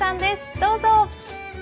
どうぞ！